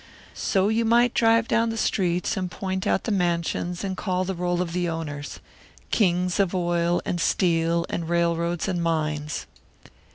So you might drive down the streets and point out the mansions and call the roll of the owners kings of oil and steel and railroads and mines!